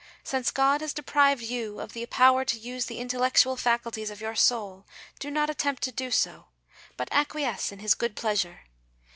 Since God has deprived you of the power to use the intellectual faculties of your soul, do not attempt to do so, but acquiesce in His good pleasure.